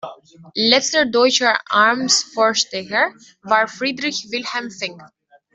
Letzter deutscher Amtsvorsteher war Friedrich Wilhelm Fink.